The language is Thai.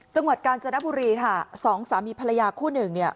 จังหวัดกาญจนบุรีค่ะสองสามีภรรยาคู่หนึ่งเนี่ย